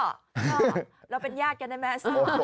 เราเป็นญาติกันได้ไหม